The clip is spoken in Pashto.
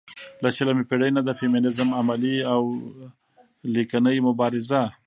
له شلمې پېړۍ نه د فيمينزم عملي او ليکنۍ مبارزه